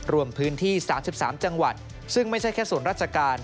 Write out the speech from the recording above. รวมพื้นที่๓๓จังหวัดซึ่งไม่ใช่แค่ส่วนราชการ